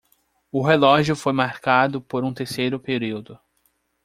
O relógio foi marcado por um terceiro período.